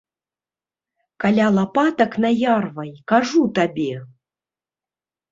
Каля лапатак наярвай, кажу табе!